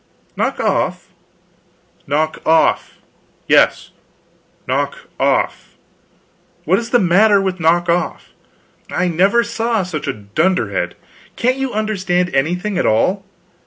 "Knock off?" "Knock off? yes, knock off. What is the matter with knock off? I never saw such a dunderhead; can't you understand anything at all?